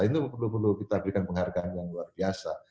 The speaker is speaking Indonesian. itu perlu perlu kita berikan penghargaan yang luar biasa